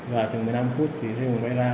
vào chừng một mươi năm phút thì thấy ông quay ra